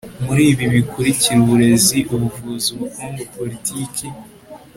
muri ibi bikurikira uburezi, ubuvuzi, ubukungu, politiki